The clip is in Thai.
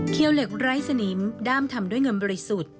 เหล็กไร้สนิมด้ามทำด้วยเงินบริสุทธิ์